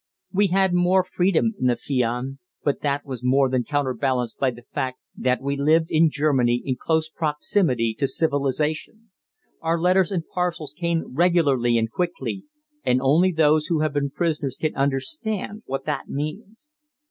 We had more freedom in Afion, but that was more than counterbalanced by the fact that we lived in Germany in close proximity to civilization. Our letters and parcels came regularly and quickly, and only those who have been prisoners can understand what that means.